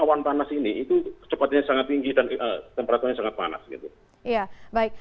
karena awan panas ini itu cepatnya sangat tinggi dan temperaturnya sangat panas